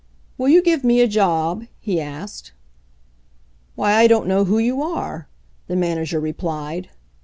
'Will you give me a job?" he asked. f Why, I don't know who you are," the man ager replied.